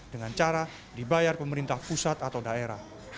dengan cara dibayar pemerintah pusat atau daerah